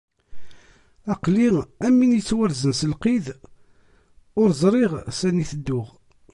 Aql-i am win yettwarzen s lqid, ur ẓriɣ sani i tedduɣ.